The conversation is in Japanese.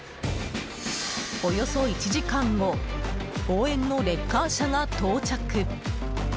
およそ１時間後応援のレッカー車が到着。